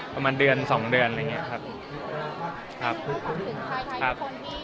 ประมาณเดือนสองเดือนอะไรอย่างเงี้ยครับครับ